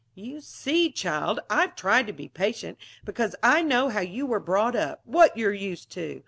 "You see, child, I've tried to be patient because I know how you were brought up, what you're used to.